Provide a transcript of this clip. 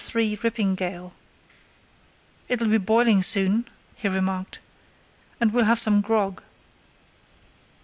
3 Rippingille. "It'll be boiling soon," he remarked, "and we'll have some grog."